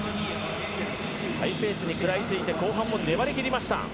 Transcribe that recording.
ハイペースに食らいついて後半も粘り切りました。